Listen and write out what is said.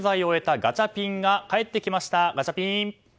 ガチャピン！